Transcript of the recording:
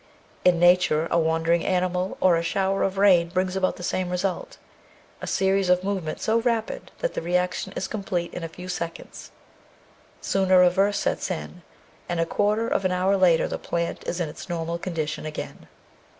In nature, a wandering animal or a shower of rain brings about the same result, a series of move ments so rapid that the reaction is complete in a few seconds. Soon a reverse sets in, and a quarter of an hour later the plant is in its normal condition again.